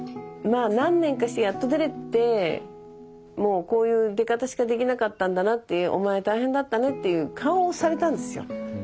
まあ何年かしてやっと出れてもうこういう出方しかできなかったんだなってお前大変だったねっていう顔をされたんですよ。